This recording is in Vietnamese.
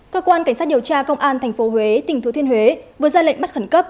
cơ quan cảnh sát điều tra công an tp huế tỉnh thứ thiên huế vừa ra lệnh bắt khẩn cấp